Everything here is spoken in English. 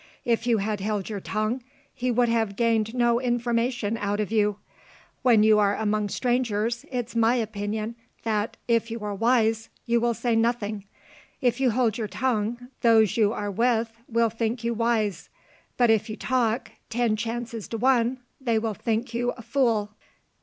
If you had held your tongue, he would have gained no information out of you. When you are among strangers, it's my opinion, that, if you are wise, you will say nothing. If you hold your tongue, those you are with will think you wise; but if you talk, ten chances to one they will think you a fool!"